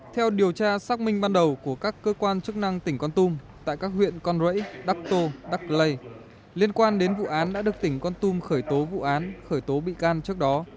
theo điều tra xác minh ban đầu của các cơ quan chức năng tỉnh con tum tại các huyện con rẫy đắc tô đắc lây liên quan đến vụ án đã được tỉnh con tum khởi tố vụ án khởi tố bị can trước đó